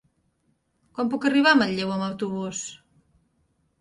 Com puc arribar a Manlleu amb autobús?